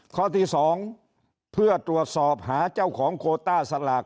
ข้อที่๒เพื่อตรวจสอบหาเจ้าของโคต้าสลาก